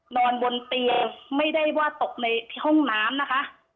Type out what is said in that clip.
นอนบนเตียงไม่ได้ว่าตกในห้องน้ำนะคะ